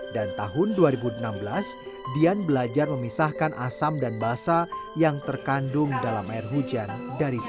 dan tahun dua ribu enam belas dian belajar memisahkan asam dan basah yang terkandung dalam air hujan dari sri